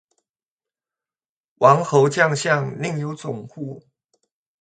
王侯将相，宁有种乎